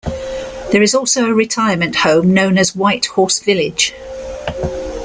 There is also a retirement home known as White Horse Village.